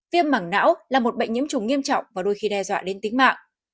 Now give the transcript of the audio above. viêm mảng não là một bệnh nhiễm trùng nghiêm trọng và đôi khi đe dọa đến tính mạng